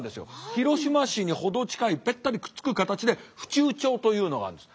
広島市に程近いべったりくっつく形で府中町というのがあるんです。